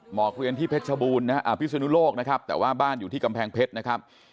หมอกเรียนที่พิสุนุโลกนะครับแต่ว่าบ้านอยู่ที่กำแพงเพชรนะครับ